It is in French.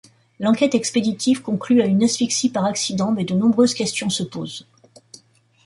L'enquête expéditive conclut à une asphyxie par accident mais de nombreuses questions se posent.